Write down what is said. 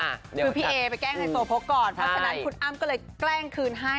คือพี่เอไปแกล้งไฮโซโพกก่อนเพราะฉะนั้นคุณอ้ำก็เลยแกล้งคืนให้